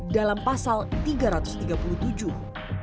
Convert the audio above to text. dalam pasal tiga ratus dua kitab undang undang hukum pidana atau kuhp